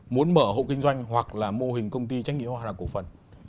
muốn mở hộ kinh doanh hoặc là mô hình công ty trách nhiệm hoặc là cổ phần